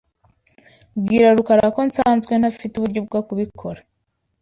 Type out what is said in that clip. Bwira Rukara ko nsanzwe ntafite uburyo bwo kubikora.